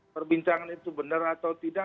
perbincangan itu benar atau tidak